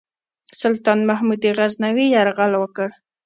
سلطان محمود غزنوي یرغل وکړ.